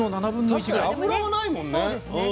確かに脂がないもんね。